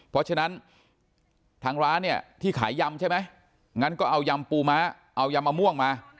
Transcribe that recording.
เพราะฉะนั้นทางร้านเนี่ยที่ขายยำใช่ไหมงั้นก็เอายำปูม้าเอายำมะม่วงมา